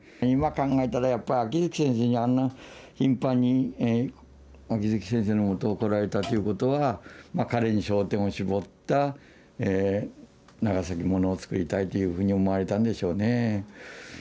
今、考えたらやっぱり秋月先生に頻繁に秋月先生のもとに来られたということは彼に焦点を絞った長崎ものをつくりたいというふうに思われたんでしょうね。